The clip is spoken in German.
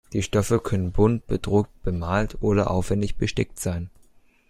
Die Stoffe können bunt bedruckt, bemalt oder aufwendig bestickt sein.